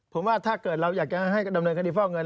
ผมว่าถ้าเกิดเราอยากจะให้ดำเนินคดีฟอกเงิน